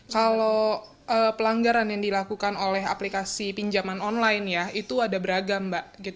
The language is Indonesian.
kalau pelanggaran yang dilakukan oleh aplikasi pinjaman online ya itu ada beragam mbak